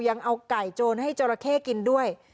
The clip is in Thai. ยังเอาไก่โจรให้จราเข้กินด้วย